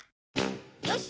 よし！